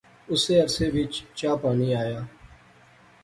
اسے عرصے وچ چاء پانی آیا